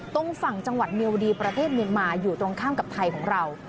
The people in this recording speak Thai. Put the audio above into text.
ตรงฝั่งจังหวัดเมียวดีประเทศเมียนมาอยู่ตรงข้ามกับไทยของเรา